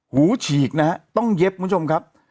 ฉีกนะฮะต้องเย็บคุณผู้ชมครับ